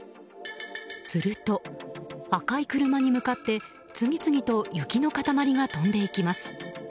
すると、赤い車に向かって次々と雪の塊が飛んでいきます。